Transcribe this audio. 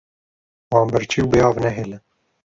Wan birçî û bêav nehêlin.